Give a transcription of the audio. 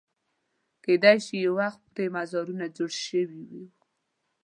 کېدای شي یو وخت پرې مزارونه جوړ شوي وو.